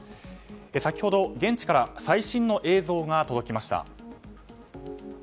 先ほど現地から最新の映像が届きました。